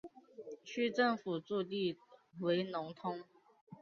区政府驻地为农通。